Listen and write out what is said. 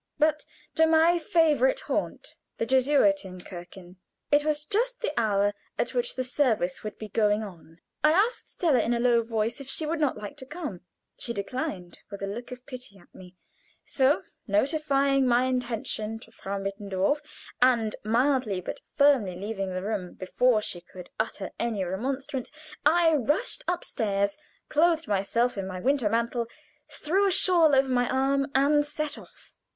but to my favorite haunt, the Jesuiten Kirche. It was just the hour at which the service would be going on. I asked Stella in a low voice if she would not like to come; she declined with a look of pity at me, so, notifying my intention to Frau Mittendorf, and mildly but firmly leaving the room before she could utter any remonstrance, I rushed upstairs, clothed myself in my winter mantle, threw a shawl over my arm, and set out.